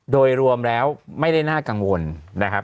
โดยรวมแล้วไม่ได้น่ากังวลนะครับ